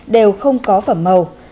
đều không có phẩm màu